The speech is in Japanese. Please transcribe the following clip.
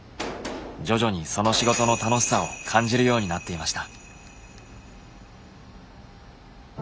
徐々にその仕事の楽しさを感じるようになっていました。